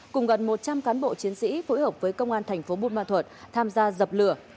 cùng gần một trăm linh cán bộ chiến sĩ phối hợp với công an thành phố buôn ma thuật tham gia dập lửa